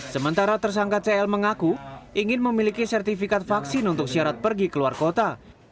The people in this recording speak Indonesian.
sementara tersangka cl mengaku ingin memiliki sertifikat vaksin untuk syarat pergi keluar kota